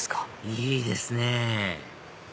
いいですね